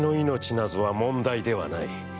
なぞは、問題ではない。